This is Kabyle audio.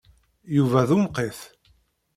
Yuba d umqit.